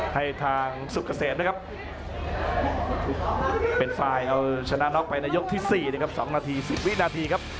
ให้ทางสุกเกษมนะครับเป็นฝ่ายเอาชนะน็อกไปในยกที่๔นะครับ๒นาที๑๐วินาทีครับ